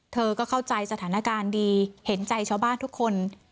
เธอก็เข้าใจสถานการณ์ดีเห็นใจชาวบ้านทุกคน